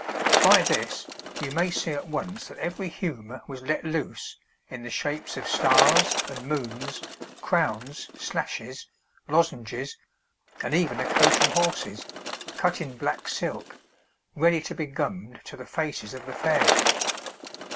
By this you may see at once that every humour was let loose in the shapes of stars, and moons, crowns, slashes, lozenges, and even a coach and horses, cut in black silk, ready to be gummed to the faces of the fair.